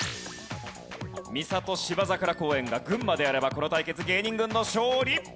みさと芝桜公園が群馬であればこの対決芸人軍の勝利。